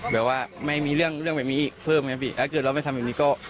แบบว่าไม่มีเรื่องเรื่องแบบนี้อีกเพิ่มไงพี่ถ้าเกิดเราไม่ทำแบบนี้ก็